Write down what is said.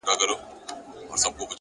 په ښکارپورۍ سترگو کي” راته گلاب راکه”